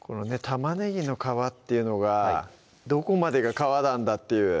玉ねぎの皮っていうのがどこまでが皮なんだっていう